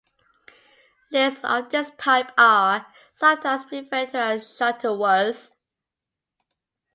Lists of this type are sometimes referred to as Shuttleworths.